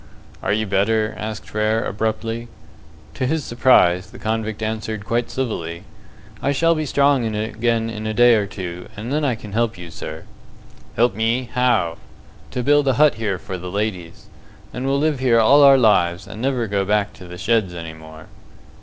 "Are you better?" asked Frere, abruptly. To his surprise, the convict answered quite civilly, "I shall be strong again in a day or two, and then I can help you, sir." "Help me? How?" "To build a hut here for the ladies. And we'll live here all our lives, and never go back to the sheds any more."